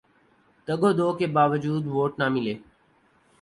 تگ و دو کے باوجود ووٹ نہ ملے